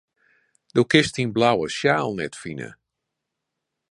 Do kinst dyn blauwe sjaal net fine.